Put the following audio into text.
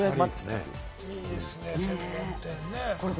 いいですね、専門店ね。